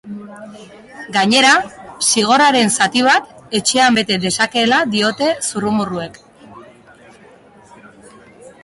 Gainera, zigorraren zati bat etxean bete dezakeela diote zurrumurruek.